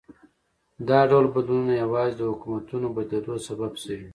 دا ډول بدلونونه یوازې د حکومتونو بدلېدو سبب شوي.